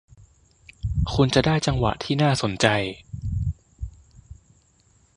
คุณจะได้จังหวะที่น่าสนใจ